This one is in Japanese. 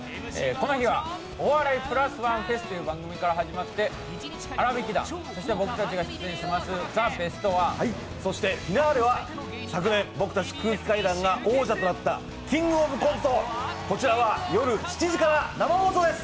この日は、「お笑いプラスワンＦＥＳ」という番組から始まって、「あらびき団」、そして僕たちが出演します「ザ・ベストワン」そしてフィナーレは昨年、僕たち空気階段が王者となった「キングオブコント」、こちらは夜７時から生放送です。